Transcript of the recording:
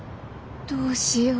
どうしよう。